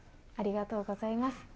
ありがとうございます。